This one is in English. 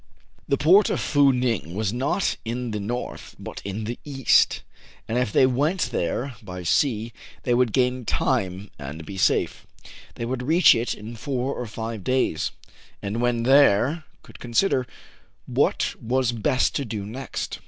The port* of Fou Ning was not in the north, but in the east ; and, if they went there by sea, they would gain time, and be safe. They would reach it in four or five days, and, when there, could consider what was best to do next.